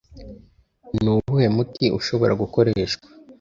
Nuwuhe muti ushobora gukoreshwa